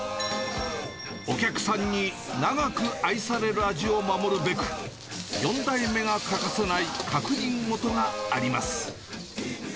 お客さんに長く愛される味を守るべく、４代目が欠かさない確認ごとがあります。